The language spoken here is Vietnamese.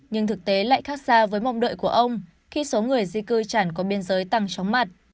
nhưng thực tế lại khác xa với mong đợi của ông khi số người di cư chẳng qua biên giới tăng chóng mặt